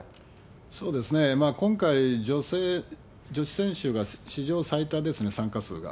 そうですね、今回、女性、女子選手が史上最多ですね、参加数が。